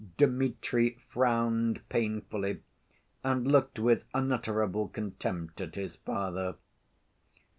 Dmitri frowned painfully, and looked with unutterable contempt at his father.